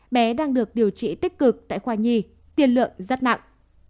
bé đang được điều trị tích cực tại khoa nhi tiền lượng rất nặng